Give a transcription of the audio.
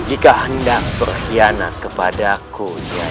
jika hendak berkhianat kepada kujang